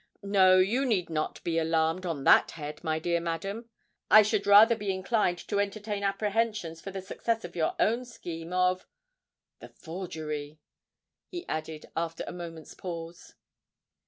No—you need not be alarmed on that head, my dear madam. I should rather be inclined to entertain apprehensions for the success of your own scheme of——the forgery," he added, after a moment's pause.